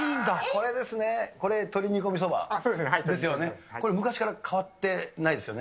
これですね、これ、そうですね。ですよね、これ、昔から変わってないですよね。